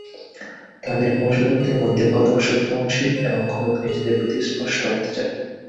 তাদের বংশধরদের মধ্যে কতক সৎকর্মশীল এবং কতক নিজেদের প্রতি স্পষ্ট অত্যাচারী।